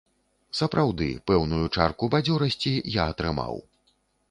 Сапраўды, пэўную чарку бадзёрасці я атрымаў.